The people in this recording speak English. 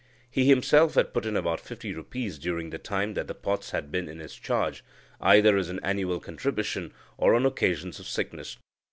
He himself had put in about fifty rupees during the time that the pots had been in his charge, either as an annual contribution, or on occasions of sickness.